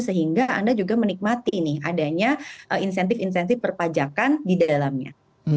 sehingga anda juga menikmati nih adanya insentif insentif perpajakan di dalamnya